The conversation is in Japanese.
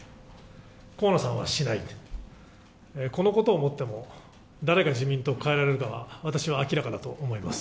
河野さんはしない、このことをもっても、誰が自民党を変えられるかは、私は明らかだと思います。